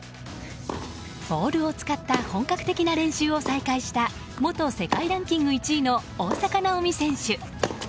ボールを使った本格的な練習を再開した元世界ランキング１位の大坂なおみ選手。